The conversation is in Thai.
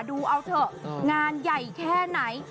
ดูเอาเถอะงานใหญ่แค่ไหน